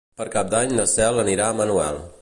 Per Cap d'Any na Cel anirà a Manuel.